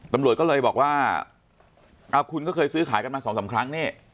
ตำรวจก็เลยบอกว่าเอาคุณก็เคยซื้อขายกันมาสองสามครั้งนี่